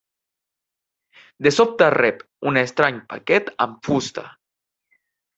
De sobte rep un estrany paquet amb fusta.